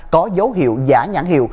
có dấu hiệu giả nhãn hiệu